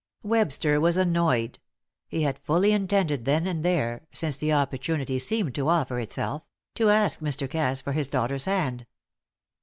Webster was annoyed. He had fully intended there and then since the opportunity seemed to offer itself to ask Mr. Cass for his daughter's hand.